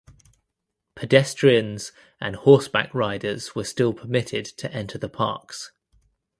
Pedestrians and horseback riders were still permitted to enter the parks.